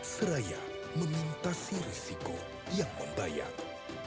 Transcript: seraya memintasi risiko yang membayang